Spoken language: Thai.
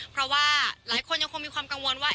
เพราะว่าหลายคนยังคงมีความกังวลว่า